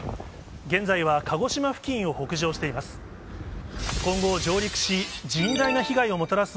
現在は鹿児島付近を北上しています。